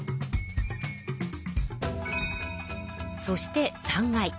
そして３階。